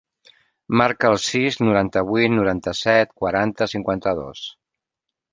Marca el sis, noranta-vuit, noranta-set, quaranta, cinquanta-dos.